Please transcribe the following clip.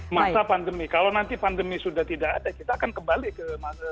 masa pandemi kalau nanti pandemi sudah tidak ada kita akan kembali ke masa